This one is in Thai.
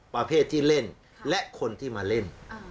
ประเภทที่เล่นและคนที่มาเล่น